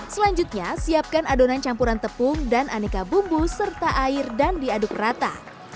selanjutnya siapkan adonan campuran tepung dan aneka bumbu serta air dan diaduk rata